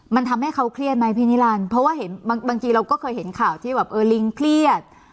มันทำให้เขาเครียดไหมพี่นิรันดิ์เพราะว่าเห็นบางทีเราก็เคยเห็นข่าวที่แบบเออลิงเครียด